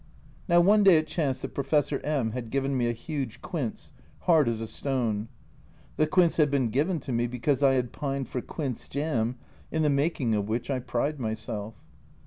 Now one day it chanced that Professor M had given me a huge quince, hard as a stone. The quince had been given to me because I had pined for quince jam, in the making of which I pride myself.